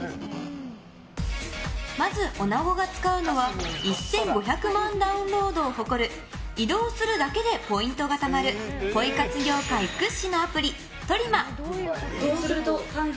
まず、おなごが使うのは１５００万ダウンロードを誇る移動するだけでポイントがたまるポイ活業界屈指のアプリ、トリマ。